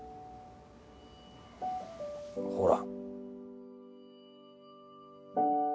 ほら。